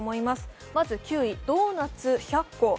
まず９位、ドーナツ１００個。